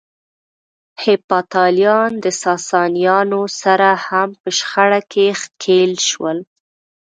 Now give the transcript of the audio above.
هېپتاليان د ساسانيانو سره هم په شخړه کې ښکېل شول.